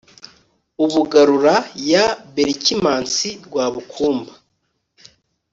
Ubugarura Y Berkimansi Rwabukumba